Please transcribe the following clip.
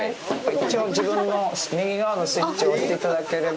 一応、自分の右側のスイッチを押していただければ。